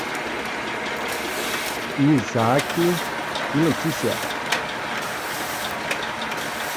Isaac e Letícia